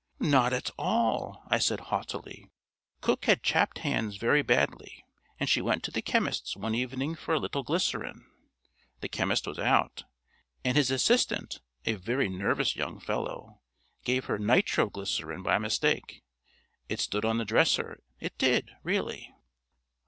"Not at all," I said haughtily. "Cook had chapped hands very badly, and she went to the chemist's one evening for a little glycerine. The chemist was out, and his assistant a very nervous young fellow gave her nitro glycerine by mistake. It stood on the dresser, it did, really."